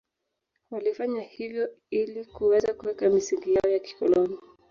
Walifanya hivyo ili kuweza kuweka misingi yao ya kikoloni